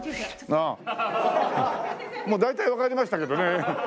まあ大体わかりましたけどね。